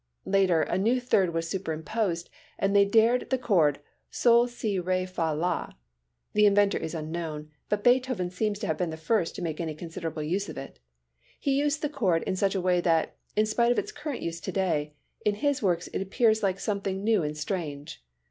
Later, a new third was superimposed and they dared the chord sol si re fa la. The inventor is unknown, but Beethoven seems to have been the first to make any considerable use of it. He used the chord in such a way that, in spite of its current use to day, in his works it appears like something new and strange.